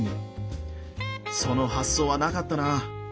その発想はなかったなあ。